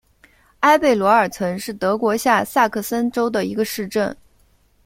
埃贝罗尔岑是德国下萨克森州的一个市镇。